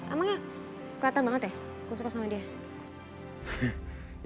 amangnya keliatan banget ya gue suka sama dia